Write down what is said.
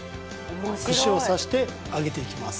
串を刺して揚げていきます